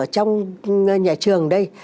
trong nhà trường đây